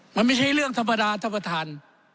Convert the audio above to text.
มันไม่ใช่เรื่องธรรมดาท่านประธาน